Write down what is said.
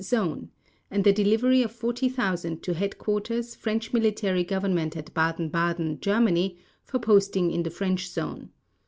Zone and the delivery of 40,000 to Headquarters, French Military Government at Baden Baden, Germany, for posting in the French Zone.